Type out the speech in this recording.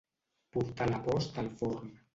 Portar la post al forn.